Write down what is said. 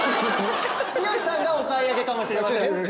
剛さんがお買い上げかもしれません。